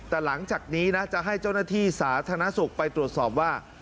แต่หลังจากนี้นะจะให้เจ้าหน้าที่สาธารณสุขไปตรวจสอบว่า